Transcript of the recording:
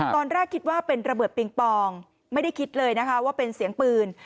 ตอนแรกคิดว่าเป็นระเบิดปิงปองไม่ได้คิดเลยนะคะว่าเป็นเสียงปืน